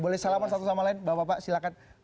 boleh salaman satu sama lain bapak bapak silahkan